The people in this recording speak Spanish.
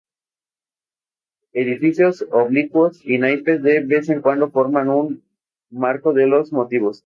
Edificios oblicuos y naipes de vez en cuando forman un marco de los motivos.